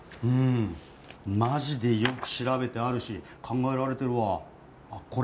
うんマジでよく調べてあるし考えられてるわあっ